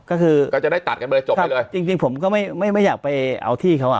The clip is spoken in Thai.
ก็คือก็จะได้ตัดกันไปเลยจบไปเลยจริงจริงผมก็ไม่ไม่ไม่อยากไปเอาที่เขาอ่ะ